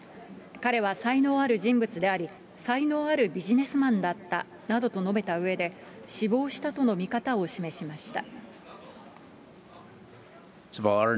彼は才能ある人物であり、才能あるビジネスマンだったと述べたうえで、死亡したとの見方を示しました。